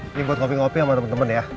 ini buat ngopi ngopi sama temen temen ya